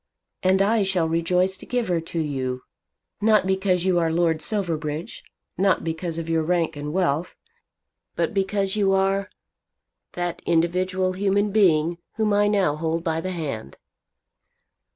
And I shall rejoice to give her to you, not because you are Lord Silverbridge, not because of your rank and wealth; but because you are that individual human being whom I now hold by the hand."